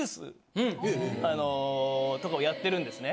あのとかをやってるんですね。